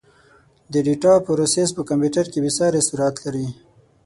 د ډیټا پروسس په کمپیوټر کې بېساري سرعت لري.